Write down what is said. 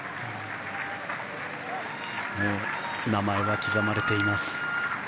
もう名前は刻まれています。